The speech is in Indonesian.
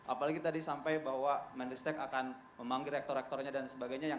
apalagi tadi sampai bahwa menristek akan memanggil rektor rektornya dan sebagainya